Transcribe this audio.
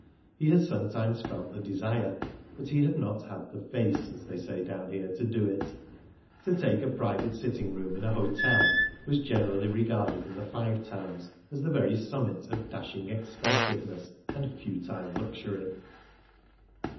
He had sometimes felt the desire, but he had not had the "face," as they say down there, to do it. To take a private sitting room in a hotel was generally regarded in the Five Towns as the very summit of dashing expensiveness and futile luxury.